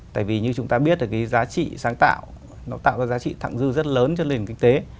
tại vì như chúng ta biết là cái giá trị sáng tạo nó tạo ra giá trị thẳng dư rất lớn cho nền kinh tế